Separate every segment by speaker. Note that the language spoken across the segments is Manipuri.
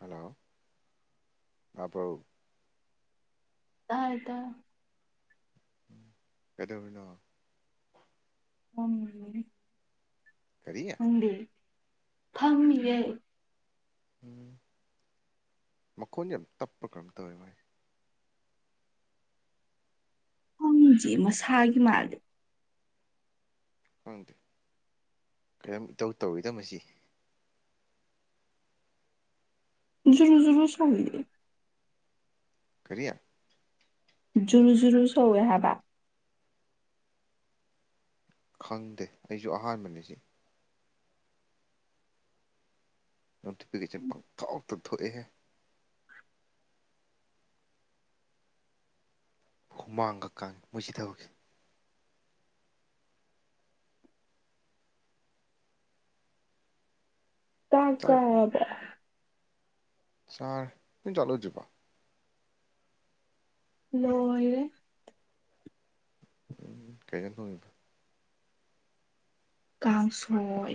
Speaker 1: ꯍꯂꯣ ꯇꯥꯕ꯭ꯔꯣ꯫
Speaker 2: ꯇꯥꯏꯌꯦ ꯇꯥꯏꯌꯦ꯫
Speaker 1: ꯎꯝ ꯀꯩꯗꯧꯔꯤꯅꯣ꯫
Speaker 2: ꯐꯝꯂꯤꯕꯅꯤ꯫
Speaker 1: ꯀꯔꯤ
Speaker 2: ꯅꯪꯗꯤ꯫ ꯐꯝꯃꯤꯌꯦ꯫
Speaker 1: ꯎꯝ ꯃꯈꯣꯟ ꯌꯥꯝ ꯇꯞꯄ꯭ꯔ ꯀꯩꯅꯣꯝ ꯇꯧꯋꯦ ꯃꯥꯏ꯫ [unintelligible]
Speaker 2: ꯈꯪꯗꯤꯌꯦ ꯃꯁꯥꯒꯤ ꯃꯥꯜꯂꯦ꯫
Speaker 1: ꯈꯪꯗꯦ ꯀꯩꯅꯣꯝ ꯏꯇꯧ ꯇꯧꯏꯗ ꯃꯁꯤ꯫
Speaker 2: ꯔꯨꯔ ꯔꯨꯔ ꯆꯪꯦ
Speaker 1: ꯀꯔꯤꯌꯥ꯫
Speaker 2: ꯖꯨꯔꯨ ꯖꯨꯔꯨ ꯁꯧꯋꯦ ꯍꯥꯏꯕ꯫
Speaker 1: ꯈꯪꯗꯦ ꯑꯩꯁꯨ ꯑꯍꯥꯟꯕꯅꯤ ꯁꯤ꯫ ꯅꯣꯇꯤꯐꯤꯀꯦꯁꯟ ꯄꯪꯊꯣꯛꯇ ꯊꯣꯛꯑꯦꯍꯦ꯫ ꯍꯨꯃꯥꯡꯒ ꯀꯥꯡꯉꯦ ꯃꯣꯏꯁꯤ ꯊꯕꯛꯁꯤ꯫
Speaker 2: ꯆꯥꯛ ꯆꯥꯔꯕꯣ꯫
Speaker 1: ꯆꯥꯔꯦ ꯅꯪ ꯆꯥꯛ ꯂꯣꯏꯗ꯭ꯔꯤꯕꯣ꯫
Speaker 2: ꯂꯣꯏ꯫
Speaker 1: ꯎꯝ ꯀꯩꯅꯣ ꯇꯧꯔꯤꯗꯣ꯫
Speaker 2: ꯀꯥꯡꯁꯣꯏ꯫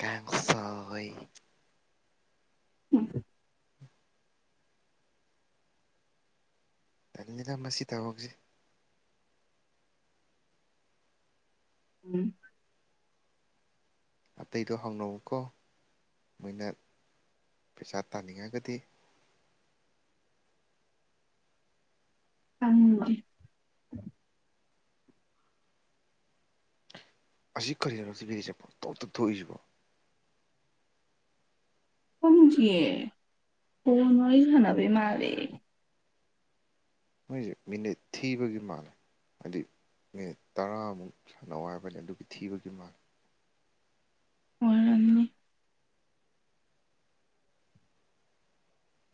Speaker 1: ꯀꯥꯡꯁꯣꯏ꯫ ꯇꯜꯂꯤꯗ ꯃꯁꯤ ꯊꯕꯛꯁꯤ꯫
Speaker 2: ꯎꯝ꯫
Speaker 1: ꯑꯇꯩꯗꯣ ꯍꯪꯅꯧꯑꯣꯀꯣ ꯃꯣꯏꯅ ꯄꯩꯁꯥ ꯇꯥꯅꯤꯡꯉꯒꯗꯤ꯫
Speaker 2: ꯇꯪꯗ꯭ꯔꯤ꯫
Speaker 1: ꯑꯁꯤ ꯀꯔꯤꯔ [unintelligible] ꯄꯪꯊꯣꯛꯇ ꯊꯣꯛꯏꯁꯤꯕꯣ꯫
Speaker 2: ꯁꯖꯤꯦ ꯍꯅꯔ ꯍꯅꯕꯃꯔꯦ
Speaker 1: ꯃꯣꯏꯖꯦ ꯃꯤꯅꯤꯠ ꯊꯤꯕꯒꯤ ꯃꯥꯜꯂꯦ ꯍꯥꯏꯗꯤ ꯃꯤꯅꯤꯠ ꯇꯔꯥꯃꯨꯛ ꯁꯥꯟꯅꯧ ꯍꯥꯏꯕꯅꯤ ꯑꯗꯨꯒꯤ ꯊꯤꯕꯒꯤ ꯃꯥꯜꯂꯦ꯫
Speaker 2: ꯑꯣꯏꯔꯝꯅꯤ꯫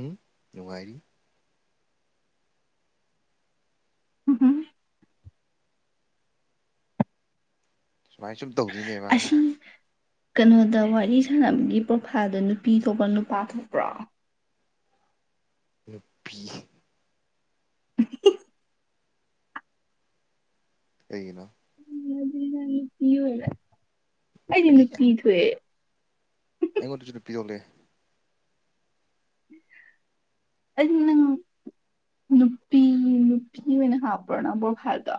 Speaker 1: ꯎꯝ ꯅꯨꯡꯉꯥꯏꯔꯤ꯫ ꯁꯨꯃꯥꯏꯁꯨꯝ꯫ ꯇꯧꯗꯣꯏꯅꯦꯕ ꯍꯥ꯫
Speaker 2: ꯑꯁꯤ ꯀꯩꯅꯣꯗ ꯋꯥꯔꯤ ꯁꯥꯟꯅꯕꯒꯤ ꯄ꯭ꯔꯣꯐꯥꯏꯜꯗꯣ ꯅꯨꯄꯤ ꯊꯣꯛꯄ꯭ꯔ ꯅꯨꯄꯥ ꯊꯣꯛꯄ꯭ꯔꯣ꯫
Speaker 1: ꯅꯨꯄꯤ꯫
Speaker 2: [inaudible]
Speaker 1: ꯀꯩꯒꯤꯅꯣ꯫
Speaker 2: [unintelligible] ꯑꯗꯨꯗꯤ ꯅꯪ ꯅꯨꯄꯤ ꯑꯣꯏꯔꯦ꯫ ꯑꯩꯗꯤ
Speaker 1: ꯀꯔꯤ
Speaker 2: ꯅꯨꯄꯤ ꯊꯣꯛꯑꯦ꯫
Speaker 1: ꯑꯩꯉꯣꯟꯗꯁꯨ ꯅꯨꯄꯤ ꯑꯣꯜꯂꯦ꯫
Speaker 2: ꯑꯗꯨꯗꯤ ꯅꯪ ꯅꯨꯄꯤ ꯅꯨꯄꯤ ꯑꯣꯏꯅ ꯍꯥꯞꯄ꯭ꯔꯣ ꯅꯪ ꯄ꯭ꯔꯣꯐꯥꯏꯜꯗꯣ꯫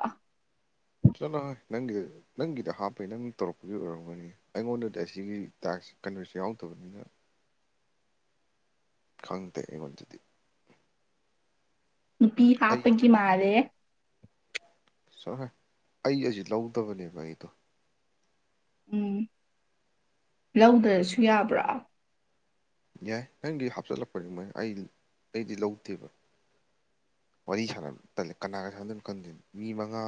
Speaker 1: ꯆꯠꯂꯣ ꯍꯣꯏ ꯅꯪꯒꯤꯗ ꯅꯪꯒꯤꯗ ꯍꯥꯞꯄꯩ ꯅꯪ ꯇꯧꯔꯛꯄꯒꯤ ꯑꯣꯏꯔꯝꯒꯅꯤ ꯑꯩꯉꯣꯟꯗꯗꯤ ꯑꯁꯤꯒꯤ ꯇꯥꯛꯁ ꯀꯩꯅꯣꯁꯦ ꯌꯥꯎꯗꯕꯅꯤꯅ꯫ ꯈꯪ ꯇꯦꯃꯗꯨꯗꯤ
Speaker 2: ꯅꯨꯄꯤ
Speaker 1: ꯑꯩ
Speaker 2: ꯍꯥꯞꯄꯒꯤ ꯃꯥꯜꯂꯦꯍꯦ꯫
Speaker 1: ꯆꯣꯍꯦ ꯑꯩ ꯑꯁꯤ ꯂꯧꯗꯕꯅꯦꯕ ꯑꯩꯗꯣ꯫
Speaker 2: ꯎꯝ ꯂꯧꯗ꯭ꯔꯁꯨ ꯌꯥꯕ꯭ꯔꯥ꯫
Speaker 1: ꯌꯥꯏ ꯅꯪꯒꯤ ꯍꯥꯞꯆꯤꯜꯂꯛꯄꯅꯤ ꯃꯣꯏ ꯑꯩ ꯑꯩꯗꯤ ꯂꯧꯗꯦꯕ ꯋꯥꯔꯤ ꯁꯥꯟꯅꯅꯕ ꯇꯜꯂꯦ ꯀꯅꯥꯒ ꯁꯥꯟꯅꯗꯣꯏꯅꯣ ꯈꯪꯗꯦ ꯃꯤ ꯃꯉꯥ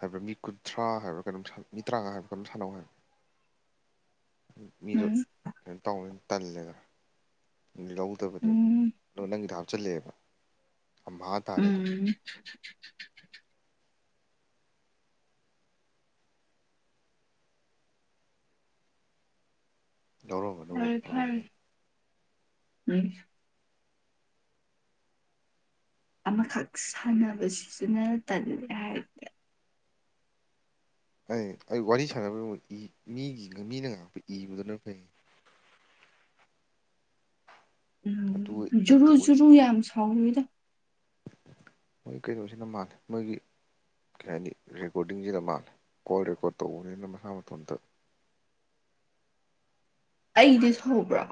Speaker 1: ꯍꯥꯏꯕ꯭ꯔꯥ ꯃꯤ ꯀꯨꯟꯊ꯭ꯔꯥ ꯍꯥꯏꯕ꯭ꯔꯥ ꯀꯩꯅꯣꯝ ꯃꯤ ꯇꯔꯥꯉꯥ ꯍꯥꯏꯕ꯭ꯔꯥ ꯀꯩꯅꯣꯝ ꯁꯥꯟꯅꯧ ꯍꯥꯏꯕ ꯃꯤꯗꯣ
Speaker 2: ꯎꯝ
Speaker 1: ꯀꯩꯅꯣ ꯇꯧꯅꯤ ꯇꯜꯂꯦꯗ ꯗꯤ ꯂꯧꯗꯕꯅꯦꯕ
Speaker 2: ꯎꯝ
Speaker 1: ꯑꯗꯣ ꯅꯪꯒꯤꯗ ꯍꯥꯞꯆꯤꯜꯂꯛꯑꯦꯕ ꯑꯝꯍꯥ ꯇꯥꯔꯦ ꯑꯗꯨꯝ ꯫
Speaker 2: [unintelligible] ꯐꯔꯦ
Speaker 1: [unintelligible]
Speaker 2: ꯐꯔꯦ
Speaker 1: ꯐꯒꯗꯝꯅꯤ꯫
Speaker 2: ꯎꯝ꯫ ꯑꯃꯈꯛ ꯁꯥꯟꯅꯕꯁꯤꯁꯨꯅ ꯇꯜꯂꯦ ꯍꯥꯏꯔꯗꯤ
Speaker 1: ꯑꯩ ꯑꯩ ꯋꯥꯔꯤ ꯁꯥꯟꯅꯕꯒꯤ ꯃꯍꯨꯠ ꯃꯤꯅ ꯉꯥꯛꯄ ꯏꯕꯗꯨꯅ ꯐꯩ꯫ ꯑꯗꯨ
Speaker 2: ꯎꯝ ꯖꯨꯔꯨ
Speaker 1: ꯑꯗꯨ ꯑꯣꯏ
Speaker 2: -ꯖꯨꯔꯨ ꯌꯥꯝ ꯁꯧ ꯊꯥꯎꯗ
Speaker 1: ꯃꯣꯏ ꯀꯩꯅꯣꯁꯤꯅ ꯃꯥꯜꯂꯦ ꯃꯣꯏꯒꯤ ꯀꯩ ꯍꯥꯏꯅꯤ ꯔꯦꯀꯣꯔꯗꯤꯡꯁꯤꯅ ꯃꯥꯜꯂꯦ ꯀꯣꯜ ꯔꯦꯀꯣꯔꯠ ꯇꯧꯕꯅꯤꯅ ꯃꯁꯥ ꯃꯇꯣꯟꯇ
Speaker 2: ꯑꯩꯗꯤ ꯁꯧꯕ꯭ꯔꯥ?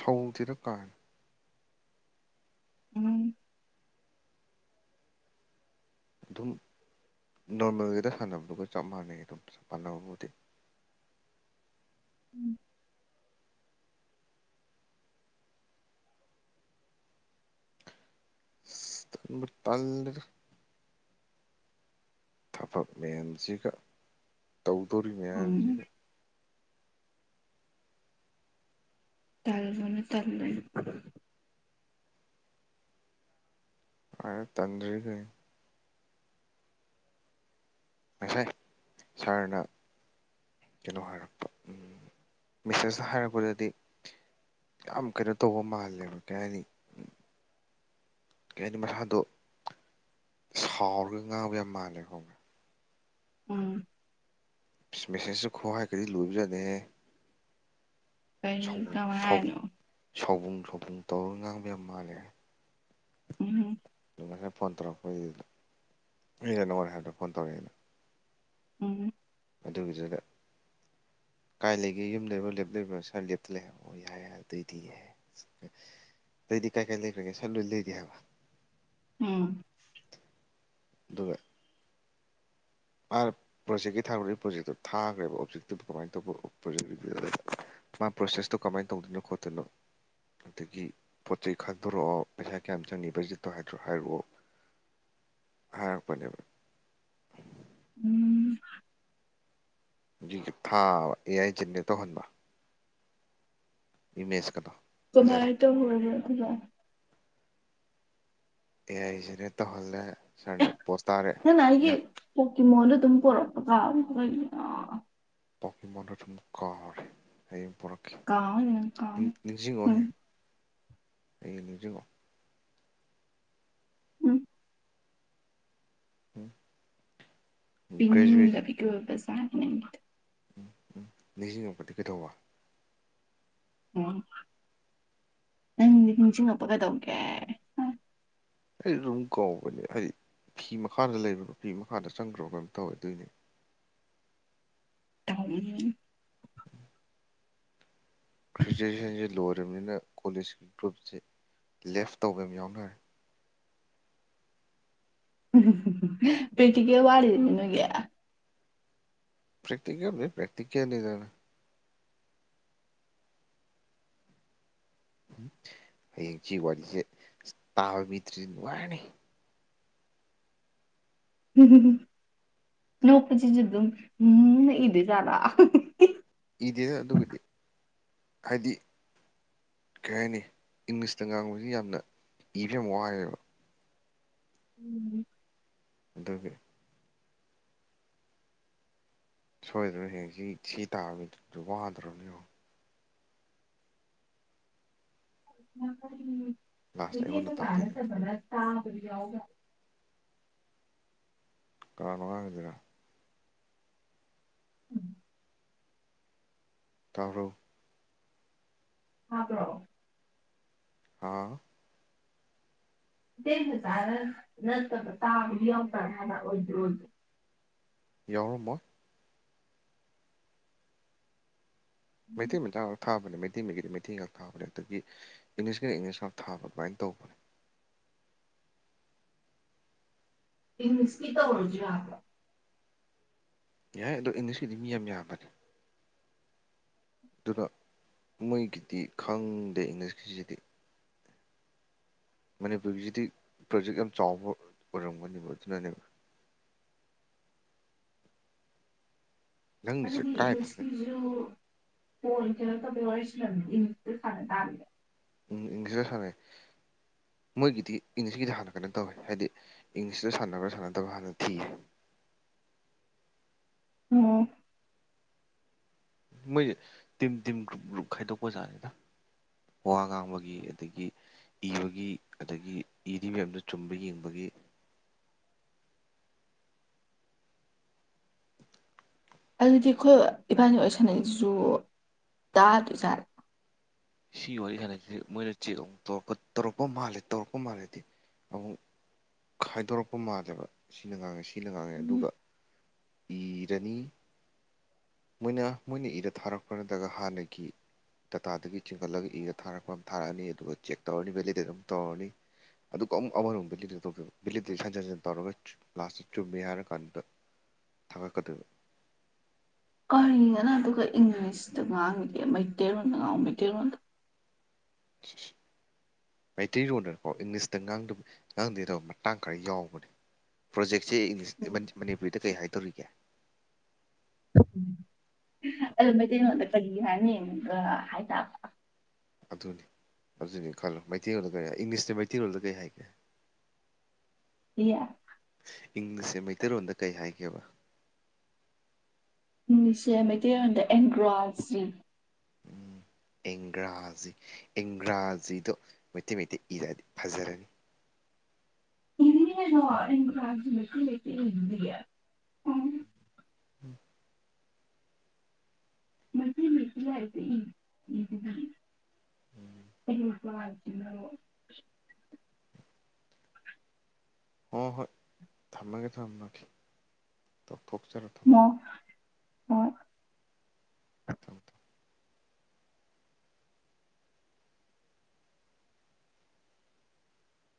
Speaker 1: ꯁꯧꯁꯤꯔ ꯀꯥꯟ
Speaker 2: ꯎꯝ꯫
Speaker 1: ꯑꯗꯨꯝ ꯅꯣꯔꯃꯦꯜꯒꯤꯗ ꯁꯥꯟꯅꯕꯗꯨꯒ ꯆꯞ ꯃꯥꯟꯅꯩ ꯑꯗꯨꯝ ꯆꯞ ꯃꯥꯟꯅꯕꯕꯨꯗꯤ ꯇꯥꯟꯗ ꯊꯕꯛ ꯃꯌꯥꯝꯁꯤꯒ ꯇꯧ
Speaker 2: ꯎꯝ
Speaker 1: ꯔꯤꯃꯌꯥꯝꯁꯤꯒ
Speaker 2: ꯇꯜꯕꯅꯦ ꯇꯜꯂꯦ ꯑꯩꯖꯨ ꯫
Speaker 1: ꯑ ꯇꯟꯔꯤꯁ ꯉꯁꯥꯏ ꯁꯥꯔꯅ ꯀꯩꯅꯣ ꯍꯥꯏꯔꯛꯄ ꯃꯤꯁꯦꯁꯇ ꯍꯥꯏꯔꯛꯄꯗꯗꯤ ꯌꯥꯝ ꯀꯩꯅꯣ ꯇꯧꯕ ꯃꯥꯜꯂꯦꯕ ꯀꯩ ꯍꯥꯏꯅꯤ ꯀꯩ ꯍꯥꯏꯅꯤ ꯃꯁꯥꯗꯣ ꯁꯥꯎꯔꯒ ꯉꯥꯡꯕ ꯌꯥꯝ ꯃꯥꯜꯂꯦꯕ ꯈꯥꯪꯕꯔꯥ?
Speaker 2: ꯎꯝ꯫
Speaker 1: ꯃꯦꯁꯦꯖꯁꯨ ꯈꯣ ꯍꯥꯏꯔꯒꯗꯤ ꯂꯣꯏꯕꯖꯠꯅꯤꯍꯦ!
Speaker 2: ꯀꯔꯤ ꯀꯃꯥꯏ ꯍꯥꯏꯅꯣ?
Speaker 1: ꯁꯣꯎꯕꯨꯡ ꯇꯧꯔꯒ ꯉꯥꯡꯕ ꯌꯥꯝ ꯃꯥꯜꯂꯦ ꯫
Speaker 2: ꯎꯝ꯫
Speaker 1: ꯑꯗꯨꯃꯥꯏꯅ ꯐꯣꯟ ꯇꯧꯔꯛꯄꯒꯤꯗ ꯑꯩꯅ ꯅꯉꯣꯟ ꯍꯥꯏꯕꯗ ꯐꯣꯟ ꯇꯧꯔꯛꯑꯦꯅ
Speaker 2: ꯎꯝ꯫
Speaker 1: ꯑꯗꯨꯒꯤꯗꯨꯗ ꯀꯥꯏ ꯂꯩꯒꯦ ꯌꯨꯝ ꯂꯩꯕ꯭ꯔꯣ ꯂꯦꯞ ꯂꯩꯕ꯭ꯔꯣ ꯁꯥꯔ ꯂꯦꯞꯇ ꯂꯩ ꯍꯥꯏꯕ ꯑꯣ ꯌꯥꯏ ꯑꯗꯨꯑꯣꯏꯗꯤ ꯌꯥ ꯑꯇꯩꯗꯤ ꯀꯥꯏ ꯀꯥꯏ ꯂꯩꯈ꯭ꯔꯒꯦ ꯁꯥꯔ ꯂꯣꯏ ꯂꯩꯔꯤ ꯍꯥꯏꯕ
Speaker 2: ꯎꯝ꯫
Speaker 1: ꯕꯩ ꯄ꯭ꯔꯣꯖꯦꯛꯀꯤ ꯊꯥꯔꯣꯔꯛꯏ ꯄ꯭ꯔꯣꯖꯦꯛꯇꯣ ꯊꯥꯈ꯭ꯔꯦꯕ ꯑꯣꯞꯖꯦꯛꯇꯨꯗ ꯀꯃꯥꯏꯅ ꯇꯧꯕ ꯄ꯭ꯔꯣꯖꯦꯛꯇꯨ ꯃꯥ ꯄ꯭ꯔꯣꯁꯦꯁꯇꯣ ꯀꯃꯥꯏꯅ ꯇꯧꯗꯣꯏꯅꯣ- ꯈꯣꯠꯇꯅꯣ ꯑꯗꯒꯤ ꯄꯣꯠ ꯆꯩ ꯈꯥꯡꯗꯣꯔꯛꯑꯣ ꯄꯩꯁꯥ ꯀꯌꯥꯝ ꯆꯪꯅꯤ ꯕꯖꯦꯠꯇꯣ ꯍꯥꯏꯗ꯭ꯔꯣ ꯍꯥꯏꯔꯛꯑꯣ ꯍꯥꯏꯔꯛꯄꯅꯦꯕ
Speaker 2: ꯎꯝ꯫
Speaker 1: ꯍꯧꯖꯤꯒꯤ ꯊꯥꯕ ꯑꯦ ꯑꯥꯏꯖꯤꯟꯗꯦ ꯇꯧꯍꯟꯕ ꯏꯃꯦꯁ ꯀꯗꯣ
Speaker 2: ꯀꯃꯥꯏ ꯇꯔꯒꯦ ꯑꯗꯨ ꯗꯣ?
Speaker 1: ꯑꯦ ꯑꯏ ꯁꯤꯅꯦ ꯇꯧꯍꯜꯂꯦ ꯁꯥꯔꯅ ꯄꯣꯁ ꯇꯥꯔꯦ
Speaker 2: ꯀꯤꯃꯣꯟꯗ ꯑꯗꯨꯝ ꯄꯨꯔꯛꯄ
Speaker 1: ꯄ ꯃꯟ ꯊ ꯀꯔ ꯑꯩ
Speaker 2: ꯀ ꯀꯥꯎ ꯎꯝ
Speaker 1: ꯑꯩ ꯍꯧꯖ
Speaker 2: ꯎꯝ
Speaker 1: ꯎꯝ꯫ ꯒ꯭ꯔꯦꯖꯨꯋꯦꯠ
Speaker 2: ꯄꯤꯅꯤꯡꯗꯕꯤꯛ ꯑꯣꯏꯕꯁ ꯆꯦ
Speaker 1: ꯎꯝ ꯎꯝ ꯅꯤꯡꯁꯤꯡꯉꯛꯄꯗꯤ ꯀꯩꯗꯧꯕ
Speaker 2: ꯑꯣ ꯅꯪꯗꯤ ꯅꯤꯡꯁꯤꯡꯉꯛꯄ ꯀꯩꯗꯧꯒꯦ
Speaker 1: ꯑꯩ ꯑꯗꯨꯝ ꯀꯧꯕꯅꯦ ꯑꯩꯗꯤ ꯐꯤ ꯃꯈꯥꯗ ꯂꯩ ꯐꯤ ꯃꯈꯥꯗ ꯆꯪꯈ꯭ꯔꯕ ꯀꯅ ꯇꯧꯋꯦ ꯑꯗꯨꯣꯏꯅꯦ
Speaker 2: ꯍ
Speaker 1: ꯒ꯭ꯔꯦꯖꯨꯋꯦꯁꯟꯁꯤ ꯂꯣꯏꯔꯕꯅꯤꯅ ꯀꯣꯂꯦꯖꯀꯤ ꯒ꯭ꯔꯨꯞꯁꯤ ꯂꯦꯐ ꯇꯧꯕ ꯑꯃ ꯌꯥꯎꯅꯔꯦ
Speaker 2: ꯄꯩꯈꯤ ꯀ ꯋꯥꯔꯤꯔꯅꯒ
Speaker 1: ꯛꯇꯤꯀꯦꯜꯅꯤ ꯋꯥꯔꯤꯦ ꯇꯥꯕꯃꯤꯇ꯭ꯔꯤꯅꯨꯡ ꯋꯥꯅꯤ
Speaker 2: ꯅꯣꯛꯄꯁꯤꯁꯨꯗ ꯎꯝ ꯏꯗꯤ ꯆꯂ
Speaker 1: ꯏꯗꯦꯗ ꯑꯗꯨꯒꯗꯤ ꯍꯥꯏꯗꯤ ꯀꯩ ꯍꯥꯏꯅꯤ ꯏꯪꯂꯤꯁꯇ ꯉꯥꯡꯕꯁꯤ ꯌꯥꯝꯅ ꯏꯕ ꯌꯥꯝ ꯋꯥꯦꯕ
Speaker 2: ꯎꯝ
Speaker 1: ꯑꯗꯨꯗꯒꯤ ꯁꯣꯏꯗꯅ ꯍꯌꯦꯡ ꯁꯤ ꯁꯤ ꯇꯥꯃꯤꯗꯨꯗ ꯋꯥꯗ꯭ꯔꯣꯅꯦꯡ
Speaker 2: [unintelligible]
Speaker 1: ꯂꯥꯁꯇ
Speaker 2: ꯃꯤꯗꯤ ꯑꯩ
Speaker 1: ꯑꯩꯉꯣꯟꯗ ꯇꯥꯗꯣꯏꯅꯦ
Speaker 2: ꯀꯅꯁꯦ ꯃ ꯑꯥꯗꯤꯌꯥꯒ
Speaker 1: ꯀꯅꯅꯨꯡꯉ ꯍꯥꯏꯖꯤꯔ
Speaker 2: ꯎꯝ
Speaker 1: ꯇꯧꯔꯛ
Speaker 2: ꯍꯥꯕ꯭ꯔꯣ
Speaker 1: ꯑ
Speaker 2: ꯍꯖꯔ ꯅꯠꯇ ꯇꯝ ꯀꯅ ꯑꯣꯏꯗ꯭ꯔꯣ
Speaker 1: ꯌꯥꯎꯔꯝꯃꯣ ꯃꯇꯤ ꯃ ꯌꯥ ꯊ ꯃꯩꯇꯩ ꯃꯤꯒꯤꯗꯤ ꯃꯩꯊꯤ ꯉꯥꯛ ꯊꯥꯕꯅꯦ ꯑꯗꯒꯤ ꯏꯪꯂꯤꯁꯀ ꯏꯪꯂꯤꯁ ꯉꯥꯛ ꯊꯥꯕ ꯑꯗꯨꯃꯥꯏꯅ ꯇꯧꯕꯅꯦ
Speaker 2: ꯃꯤꯅꯤꯁꯄꯤꯇꯥ ꯑꯣꯔꯖꯤꯅ
Speaker 1: ꯌꯥꯏ ꯑꯗꯣ ꯏꯪꯂꯤꯁꯤꯀꯤꯗꯤ ꯃꯤ ꯌꯥꯝ ꯌꯥꯝꯕꯅꯤ ꯑꯗꯨꯅ ꯃꯣꯏꯒꯤꯗꯤ ꯈꯪꯗꯦ ꯏꯪꯂꯤꯁꯀꯤꯁꯤꯗꯤ ꯃꯅꯤꯄꯨꯔꯒꯤꯁꯤꯗꯤ ꯄ꯭ꯔꯣꯖꯦꯛ ꯌꯥꯝ ꯆꯥꯎꯕ ꯑꯣꯏꯔꯝꯒꯅꯦꯕ ꯑꯗꯨꯅꯅꯦꯕ ꯅꯪꯒꯤꯁꯦ
Speaker 2: ꯑꯗꯤ
Speaker 1: ꯀꯥꯏꯕꯅꯦ
Speaker 2: ꯏꯁꯀꯤ ꯐꯣꯣꯟ ꯀꯩꯅ ꯊ ꯦꯔꯂꯝ ꯏꯪ ꯐꯅ ꯇꯥꯔꯅꯦ
Speaker 1: ꯏꯪꯂꯤꯁꯇ ꯁꯥꯟꯅꯩ ꯃꯣꯏꯒꯤꯗꯤ ꯏꯪꯂꯤꯁꯀꯤꯗꯤ ꯍꯥꯟꯅ ꯀꯩꯅꯣ ꯇꯧꯋꯤ ꯍꯥꯏꯗꯤ ꯏꯪꯂꯤꯁꯇ ꯁꯥꯟꯅꯕ꯭ꯔꯥ ꯁꯥꯟꯅꯗꯕ ꯍꯥꯟꯅ ꯊꯤ
Speaker 2: ꯑꯣ
Speaker 1: ꯃꯣꯏꯁꯦ ꯇꯤꯝ ꯇꯤꯝ ꯒ꯭ꯔꯨꯞ ꯒ꯭ꯔꯨꯞ ꯈꯥꯏꯗꯣꯛꯄꯖꯥꯠꯅꯤꯗ ꯋꯥ ꯉꯥꯡꯕꯒꯤ ꯑꯗꯒꯤ ꯏꯕꯒꯤ ꯑꯗꯒꯤ ꯏꯔꯤꯕ ꯃꯌꯥꯝꯗꯨꯣ ꯆꯨꯝꯕ ꯌꯦꯡꯕꯒꯤ
Speaker 2: ꯑꯗꯨꯗꯤ ꯑꯩꯈꯣꯏ ꯏꯕꯥꯅꯤ ꯑꯣꯏ ꯁꯥꯟꯅꯩꯁꯤꯁꯨ ꯇꯥꯗꯣꯏꯖꯥꯔ
Speaker 1: ꯁꯤꯒꯤ ꯋꯥꯔꯤ ꯈꯥꯟꯁꯤ ꯃꯣꯏꯅ ꯆꯦꯛ ꯑꯃꯨꯛ ꯇꯧꯛꯄ ꯇꯧꯔꯛꯄ ꯃꯥꯜꯂꯦ ꯇꯧꯔꯛꯄ ꯃꯥꯜꯂꯦꯗꯤ ꯑꯃꯨꯛ ꯈꯥꯏꯗꯣꯔꯛꯄ ꯃꯥꯜꯂꯦꯕ ꯁꯤꯅ ꯉꯥꯡꯉꯁꯤ ꯀꯤꯅ ꯉꯥꯡꯉꯦ
Speaker 2: ꯎꯝ
Speaker 1: ꯑꯗꯨꯒ ꯏꯔꯅꯤ ꯃꯣꯏꯅ ꯃꯣꯏꯅ ꯏꯔ ꯊꯥꯔꯛꯄ꯭ꯔꯥ ꯅꯠꯇ꯭ꯔꯒ ꯍꯥꯟꯅꯒꯤ ꯗꯇꯥꯗꯒꯤ ꯆꯤꯡꯈꯠꯂꯒ ꯏꯔ ꯊꯥꯔꯛꯄ ꯑꯃ ꯊꯥꯔꯛꯑꯅꯤ ꯑꯗꯨꯒ ꯆꯦꯛ ꯇꯧꯔꯅꯤ ꯚꯦꯂꯤꯗꯦꯠ ꯑꯃ ꯇꯧꯔꯅꯤ ꯑꯗꯨꯒ ꯑꯃꯨꯛ ꯑꯃꯔꯣꯝ ꯚꯦꯗꯦꯠ ꯚꯦꯗꯦꯠ ꯍꯟꯖꯤꯟ ꯍꯖꯤꯟ ꯇꯧꯔꯒ ꯂꯥꯁꯇ ꯆꯨꯝꯃꯦ ꯍꯥꯏꯔꯀꯥꯟꯗ ꯊ ꯈꯗ
Speaker 2: ꯀꯔꯤꯅꯅ ꯑꯗꯨꯒ ꯏꯪꯂꯤꯁꯇ ꯉꯥꯡꯉꯒꯦ ꯃꯩꯇꯩꯔꯣꯟꯗ ꯉꯥꯡ ꯃꯩꯇꯩꯔꯣꯟꯗ
Speaker 1: ꯃꯩꯇꯩꯔꯣꯟꯗꯅꯀꯣ ꯏꯪꯂꯤꯁꯇ ꯉꯥꯡꯗꯦꯗꯕ ꯃꯇꯥꯡ ꯈꯔ ꯌꯥꯎꯕꯅꯦ ꯄ꯭ꯔꯣꯖꯦꯛ ꯏꯦ ꯏꯪꯂꯤ ꯃꯅꯤꯄꯨꯔꯤꯗ ꯀꯩ ꯍꯥꯏꯗꯧꯔꯤꯒꯦ
Speaker 2: ꯑꯗꯨ ꯃꯩꯇꯩꯩꯅꯣꯗ ꯀꯔꯤ ꯍꯥꯏꯅꯤ ꯍꯥꯏ ꯇꯕ
Speaker 1: ꯑꯗꯨꯅꯤ ꯑꯗꯨꯅꯤ ꯈꯜꯂꯣ ꯃꯩꯇꯩꯔꯣꯜꯗ ꯀꯔꯤ ꯏꯪꯂꯤꯁꯅ ꯃꯩꯇꯩꯔꯣꯜꯗ ꯀꯔꯤ ꯍꯥꯏꯒꯦ
Speaker 2: ꯏ
Speaker 1: ꯏꯪꯂꯤꯁꯦ ꯃꯩꯇꯩꯔꯣꯟꯗ ꯀꯩ ꯍꯥꯏꯒꯦꯕ
Speaker 2: ꯏꯪꯂꯤꯁꯁꯦ ꯃꯩꯇꯩꯔꯣꯟꯗ ꯑꯦꯡꯒ꯭ꯔꯥꯖ
Speaker 1: ꯎ ꯑꯦꯡꯒ꯭ꯔꯥꯖꯤ ꯑꯦꯡꯒ꯭ꯔꯥꯖꯤꯗꯣ ꯃꯩꯇꯩ ꯃꯩꯇꯩ ꯏꯔꯛꯑꯗꯤ ꯐꯖꯔꯅꯤ
Speaker 2: ꯏ ꯂꯩꯗꯤ
Speaker 1: ꯎꯝ
Speaker 2: ꯃꯔꯤ ꯃꯦꯊ ꯂ ꯎꯝ ꯅꯣ
Speaker 1: ꯍ ꯍꯣꯏ ꯊꯝꯃꯒꯦ ꯊꯝ ꯅꯒꯦ ꯊꯣꯛꯆꯔꯣ ꯊꯕ
Speaker 2: ꯍ